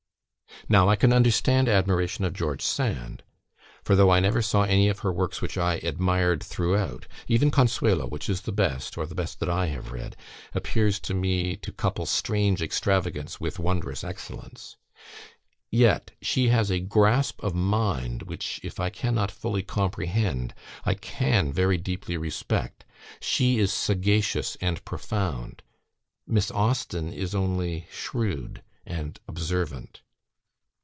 "Now I can understand admiration of George Sand; for though I never saw any of her works which I admired throughout (even 'Consuelo,' which is the best, or the best that I have read, appears to me to couple strange extravagance with wondrous excellence), yet she has a grasp of mind, which, if I cannot fully comprehend, I can very deeply respect; she is sagacious and profound; Miss Austen is only shrewd and observant.